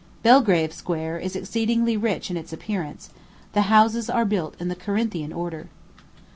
Belgrave Square is exceedingly rich in its appearance; the houses are built in the Corinthian order.